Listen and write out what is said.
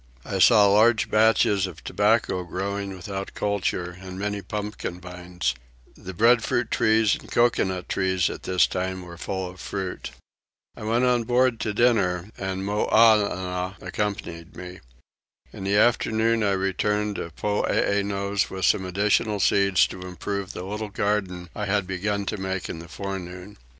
I saw large patches of tobacco growing without culture and many pumpkin vines. The breadfruit trees and coconut trees at this time were full of fruit. I went on board to dinner and Moannah accompanied me. In the afternoon I returned to Poeeno's with some additional seeds to improve the little garden I had begun to make in the forenoon.